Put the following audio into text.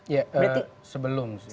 ya sebelum sih